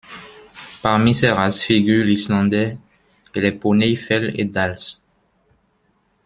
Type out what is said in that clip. Parmi ces races figurent l'Islandais, et les poneys Fell et Dales.